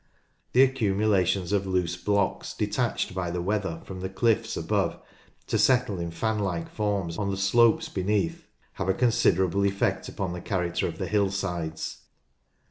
The accumulations of loose blocks detached by the weather from the cliffs above to settle in fan like forms on the slopes beneath have a considerable effect upon the character of the hill sides.